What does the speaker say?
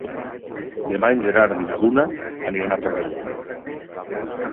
Demà en Gerard i na Duna aniran a Torrella.